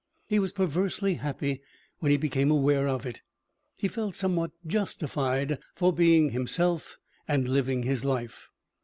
He was perversely happy when he became aware of it. He felt somewhat justified for being himself and living his life.